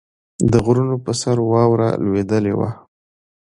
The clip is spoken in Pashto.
د غرونو پر سر واوره لوېدلې وه.